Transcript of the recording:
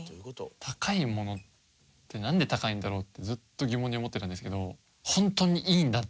高いものってなんで高いんだろう？ってずっと疑問に思ってたんですけど。